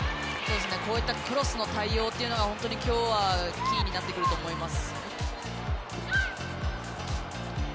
こういったクロスの対応というのが本当に、きょうはキーになってくると思います。